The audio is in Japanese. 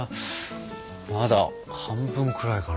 まだ半分くらいかな？